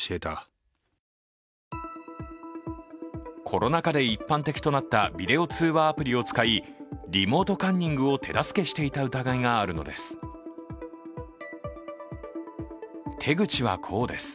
コロナ禍で一般的となったビデオ通話アプリを使い、リモートカンニングを手助けしていた疑いがあるのです。